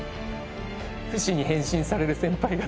フシに変身される先輩方。